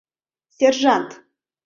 Сержант...